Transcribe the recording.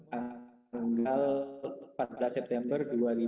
tanggal empat belas september dua ribu dua puluh